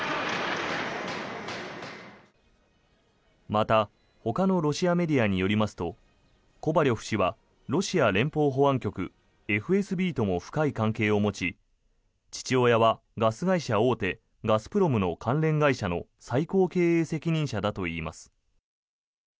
また、ほかのロシアメディアによりますとコバリョフ氏はロシア連邦保安局・ＦＳＢとも深い関係を持ち父親はガス会社大手ガスプロムの関連会社の最高経営責任者だといいます。